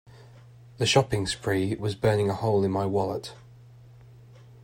The shopping spree was burning a hole in my wallet.